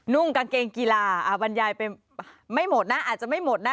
กางเกงกีฬาบรรยายไปไม่หมดนะอาจจะไม่หมดนะ